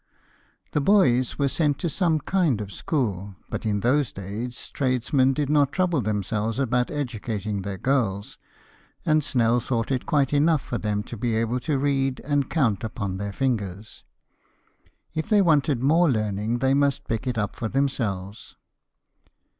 The boys were sent to some kind of school, but in those days tradesmen did not trouble themselves about educating their girls, and Snell thought it quite enough for them to be able to read and to count upon their fingers. If they wanted more learning they must pick it up for themselves.